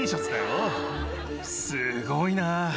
すごいな。